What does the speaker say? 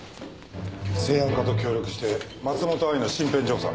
生安課と協力して松本藍の身辺調査